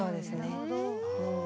なるほど。